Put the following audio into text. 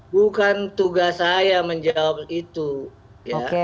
bukan tugas saya menjawab itu ya